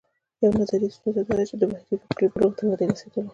یوه نظري ستونزه دا ده چې دا بهیر فکري بلوغ ته نه دی رسېدلی.